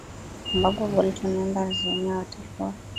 ambapo bolton wanderers wenyewe watakuwa